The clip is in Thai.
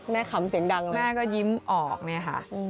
แม่ขำเสียงดังเลยค่ะแม่ก็ยิ้มออกนี่ค่ะ